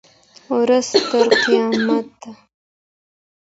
ورځ تر قیامته